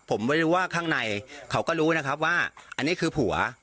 ผมไม่รู้ว่าข้างในเขาก็รู้นะครับว่าอันนี้คือผัว